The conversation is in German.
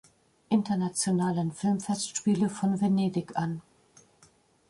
Internationalen Filmfestspiele von Venedig an.